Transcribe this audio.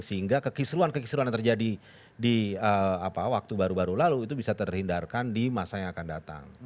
sehingga kekisruan kekisruan yang terjadi di waktu baru baru lalu itu bisa terhindarkan di masa yang akan datang